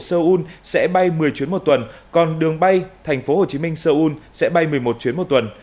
sau khi tăng tần suất đường bay hà nội sâu ún sẽ bay một mươi chuyến một tuần còn đường bay tp hcm sâu ún sẽ bay một mươi một chuyến một tuần